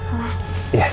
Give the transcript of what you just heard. kita itu kencing aja